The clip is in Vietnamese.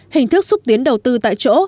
hình thức xúc tiến đầu tư tại chỗ